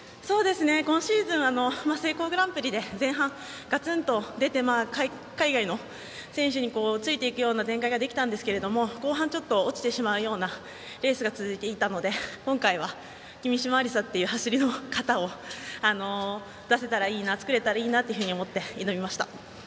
今シーズンセイコーグランプリでガツンと出て海外の選手についていくようなレースができましたけど後半に落ちてしまうレースが続いていたので今回は君嶋愛梨沙という型のレースを作れたらいいなと思って挑みました。